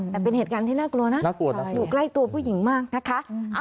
แต่เป็นเหตุการณ์ที่น่ากลัวนะอยู่ใกล้ตัวผู้หญิงมากนะคะ